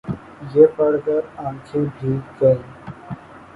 یہ پڑھ کر آنکھیں بھیگ گئیں۔